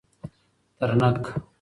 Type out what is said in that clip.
ترنګ